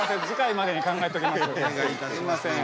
次回までに考えときます。